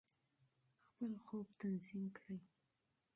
خپل خوب تنظیم کړئ.